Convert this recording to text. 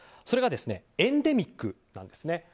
それがエンデミックなんです。